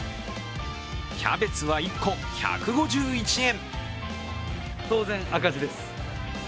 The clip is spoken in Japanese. キャベツは１個１５１円。